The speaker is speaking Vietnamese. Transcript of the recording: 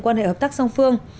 quan hệ hợp tác song phương